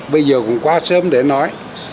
bây giờ cũng quá sớm để nói